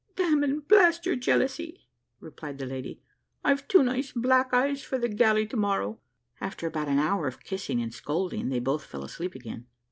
"Damn and blast your jealousy," replied the lady; "I've two nice black eyes for the galley to morrow." After about an hour of kissing and scolding, they both fell asleep again.